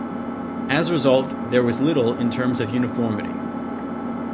As a result, there was very little in terms of uniformity.